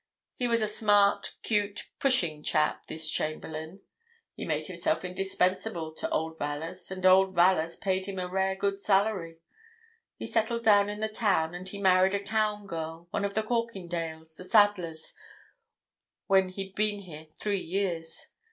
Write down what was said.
He was a smart, cute, pushing chap, this Chamberlayne; he made himself indispensable to old Vallas, and old Vallas paid him a rare good salary. He settled down in the town, and he married a town girl, one of the Corkindales, the saddlers, when he'd been here three years.